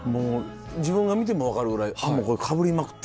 自分が見ても分かるぐらいこれかぶりまくってるやんと。